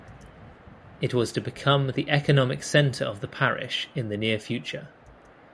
It was to become the economic center of the parish in the near future.